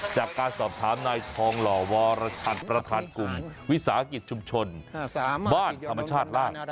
จากการสอบถามนายทองหล่อวรชันประธานกลุ่มวิสาหกิจชุมชนบ้านธรรมชาติล่าง